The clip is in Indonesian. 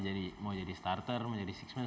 jadi mau jadi starter mau jadi six man